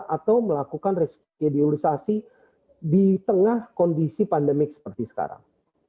atau melakukan respedialisasi di tengah kondisi pandemik seperti sekarang